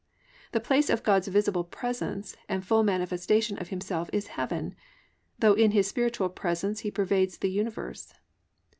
The place of God's visible presence and full manifestation of Himself is Heaven, though in His spiritual presence He pervades the universe.